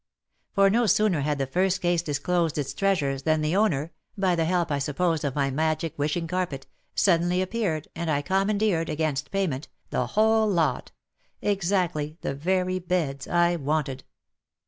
For no sooner had the first case disclosed its treasures than the owner — by the help I supposed of my magic wishing carpet — suddenly appeared, and I commandeered, against payment, the whole lot — exactly the very beds I wanted.